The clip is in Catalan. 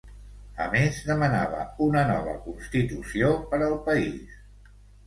A més, demanava una nova constitució per al país.